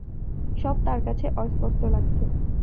সব তার কাছে অস্পষ্ট লাগছে।